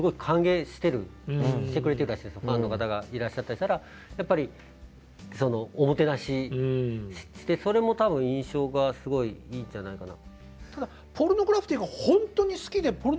ファンの方がいらっしゃったりしたらやっぱりおもてなししてそれも多分印象がすごいいいんじゃないかな。